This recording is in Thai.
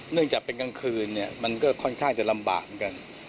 เนื่องจากเป็นกลางคืนเนี่ยมันก็ค่อนข้างจะลำบากเหมือนกัน